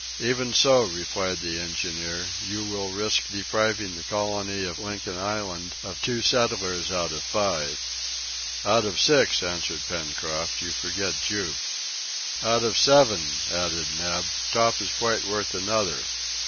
"Even so," replied the engineer, "you will risk depriving the colony of Lincoln Island of two settlers out of five." "Out of six," answered Pencroft; "you forget Jup." "Out of seven," added Neb; "Top is quite worth another."